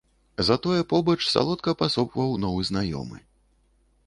Затое побач салодка пасопваў новы знаёмы.